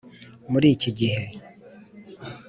muri iki gihe